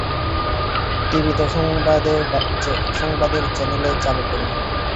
টিভিতে সংবাদের চ্যানেল চালু করো।